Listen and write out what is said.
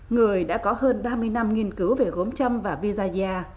người đã có hơn ba mươi năm nghiên cứu về gốm chăm và bia da da